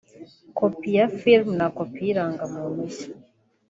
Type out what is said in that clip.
copy ya filime na copy y’irangamuntu ye